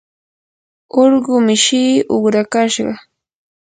urqu mishii uqrakashqa.